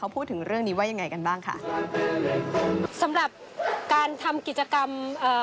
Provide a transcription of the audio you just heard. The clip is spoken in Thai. พูดถึงเรื่องนี้ว่ายังไงกันบ้างค่ะสำหรับการทำกิจกรรมเอ่อ